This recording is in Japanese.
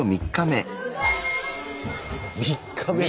３日目！